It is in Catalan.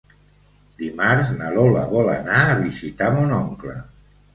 Dimarts na Lola vol anar a visitar mon oncle.